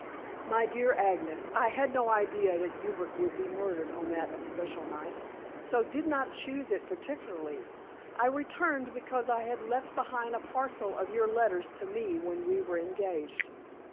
"My dear Agnes, I had no idea that Hubert would be murdered on that especial night, so did not choose it particularly. I returned because I had left behind a parcel of your letters to me when we were engaged.